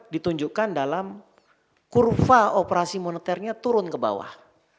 ditunjukkan dalam kurva operasi moneternya turun ke bawah